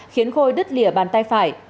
khiến khôi đứt lìa bàn tay phải